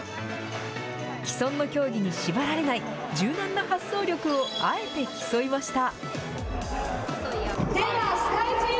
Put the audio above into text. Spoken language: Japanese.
既存の競技に縛られない、柔軟な発想力をあえて競いました。